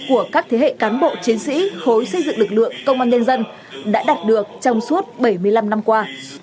của các thế hệ cán bộ chiến sĩ khối xây dựng lực lượng công an nhân dân đã đạt được trong suốt bảy mươi năm năm qua